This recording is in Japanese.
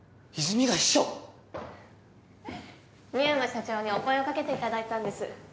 深山社長にお声を掛けていただいたんです。